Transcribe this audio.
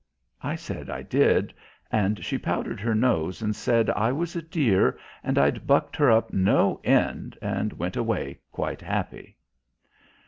I said I did, and she powdered her nose and said I was a dear and I'd bucked her up no end, and went away quite happy.